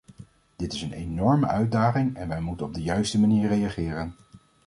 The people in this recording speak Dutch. Dit is een enorme uitdaging en wij moeten op de juiste manier reageren.